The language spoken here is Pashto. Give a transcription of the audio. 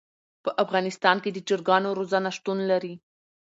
په افغانستان کې د چرګانو روزنه شتون لري.